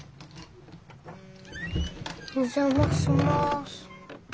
お邪魔します。